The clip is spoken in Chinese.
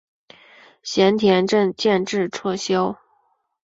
咸田镇建制撤销。